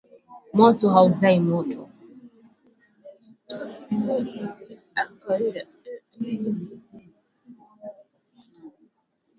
Moto hauzai moto